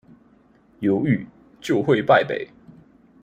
猶豫，就會敗北